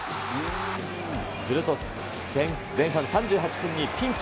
すると前半３８分にピンチ。